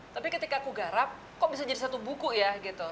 tapi ketika aku garap kok bisa jadi satu buku ya gitu